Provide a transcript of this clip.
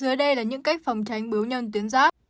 dưới đây là những cách phòng tránh bưu nhân tuyến giáp